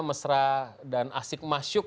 mesra dan asik masyuk